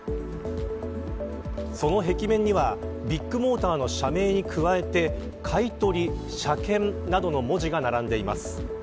その壁面にはビッグモーターの社名に加えて買取、車検などの文字が並んでいます。